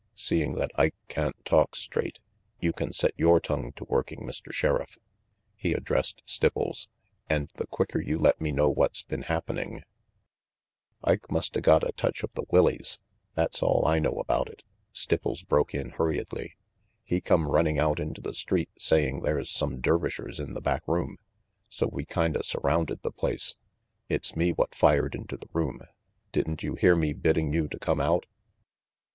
"Seeing that Ike can't talk straight, you can set yore tongue to working, Mr. Sheriff," he addressed RANGY PETE 171 Stipples, "and the quicker you let me know what's been happening " "Ike musta got a touch of the willies; that's all I know about it," Stipples broke in hurriedly. "He come running out into the street saying there's some Dervishers in the back room, so we kinda surrounded the place. It's me what fired into the room. Didn't you hear me bidding you to come out?"